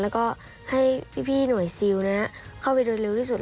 แล้วก็ให้พี่หน่วยซิลเข้าไปโดยเร็วที่สุด